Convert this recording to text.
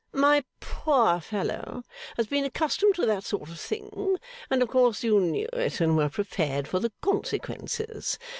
My poor fellow has been accustomed to that sort of thing, and of course you knew it, and were prepared for the consequences.